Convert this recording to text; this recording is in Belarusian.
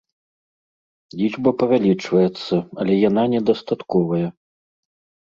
Лічба павялічваецца, але яна не дастатковая.